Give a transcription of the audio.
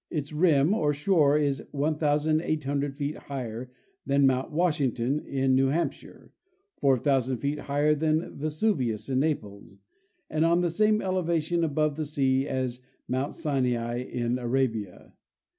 Its rim or shore is 1,800 feet higher than mount Washington, in New Hampshire; 4,000 feet higher than Vesuvius, in Naples, and on the same elevation above the sea as mount Sinai, in Arabia.